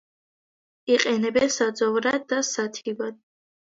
იყენებენ საძოვრად და სათიბად.